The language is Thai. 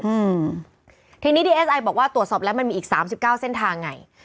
อืมทีนี้ดีเอสไอบอกว่าตรวจสอบแล้วมันมีอีกสามสิบเก้าเส้นทางไง